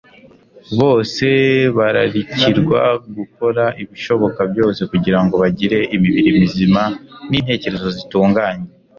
bose bararikirwa gukora ibishoboka byose kugira ngo bagire imibiri mizima n'intekerezo zitunganye